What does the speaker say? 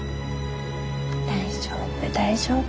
大丈夫大丈夫。